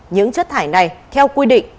những chất thải này theo quy định